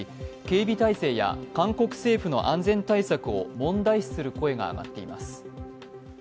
警備態勢や韓国政府の安全対策を問題視する声が上がっています。